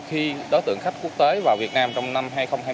các doanh nghiệp quốc tế và việt nam trong năm hai nghìn hai mươi ba